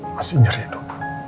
masih nyeri dok